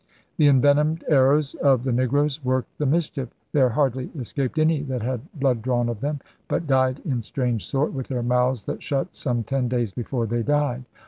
The * envenomed arrows' of the negroes worked the mischief. * There hardly escaped any that had blood drawn of them, but died in strange sort, with their mouths shut some ten days before they died.'